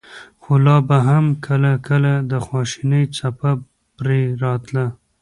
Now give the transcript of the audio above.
خو لا به هم کله کله د خواشينۍڅپه پرې راتله.